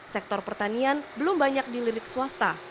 sektor pertanian belum banyak dilirik swasta